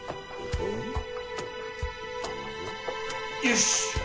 よし！